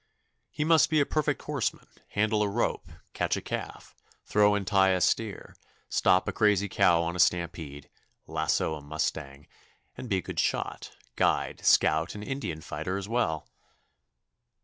He must be a perfect horseman, handle a rope, catch a calf, throw and tie a steer, stop a crazy cow on a stampede, lasso a mustang, and be a good shot, guide, scout, and Indian fighter as well.